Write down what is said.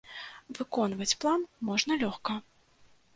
Выконваць план можна лёгка.